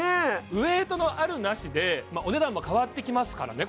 ウエイトのあるなしでお値段も変わってきますからね